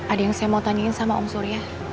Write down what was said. ada yang saya mau tanyain sama om surya